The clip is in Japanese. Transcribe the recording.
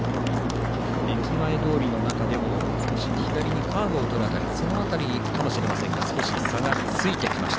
駅前通りの中でも少し左にカーブをとる辺りその辺りかもしれませんが少し差がついていきました。